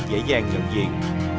dễ dàng nhận diện